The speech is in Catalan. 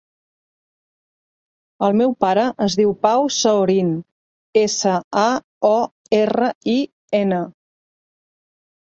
El meu pare es diu Pau Saorin: essa, a, o, erra, i, ena.